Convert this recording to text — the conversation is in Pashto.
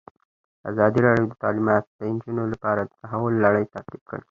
ازادي راډیو د تعلیمات د نجونو لپاره د تحول لړۍ تعقیب کړې.